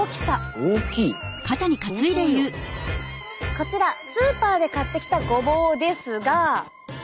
こちらスーパーで買ってきたごぼうですが。